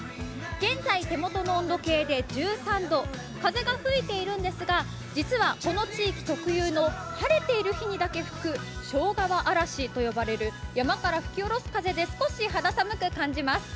現在、手元の温度計で１３度風が吹いているんですが実はこの地域特有の晴れている日だけ吹く、庄川嵐といわれる山から吹き下ろす風で少し肌寒く感じます。